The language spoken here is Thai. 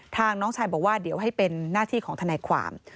น้องชายบอกว่าเดี๋ยวให้เป็นหน้าที่ของทนายความ